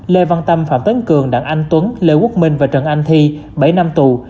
lê văn tâm phạm tấn cường đặng anh tuấn lê quốc minh và trần anh thi bảy năm tù